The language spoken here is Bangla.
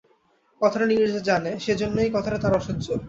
কথাটা নীরজা জানে, সেইজন্যে কথাটা তার অসহ্য।